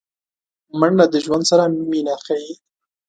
منډه د ژوند سره مینه ښيي